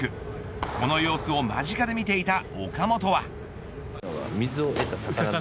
この様子を間近で見ていた岡本は。